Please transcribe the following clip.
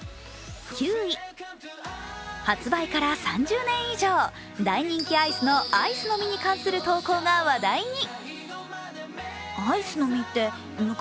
発売から３０年以上大人気アイスのアイスの実に関する投稿が話題に。